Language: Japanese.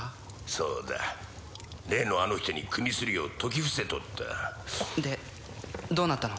そうだ例のあの人にくみするよう説き伏せとったでどうなったの？